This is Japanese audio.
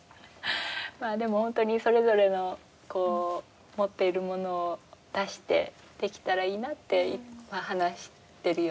まあでもホントにそれぞれの持っているものを出してできたらいいなって話してるよね。